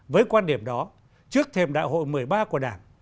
với quan điểm đó trước thêm đại hội một mươi ba của đảng